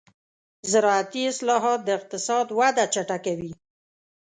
زراعتي اصلاحات د اقتصاد وده چټکوي.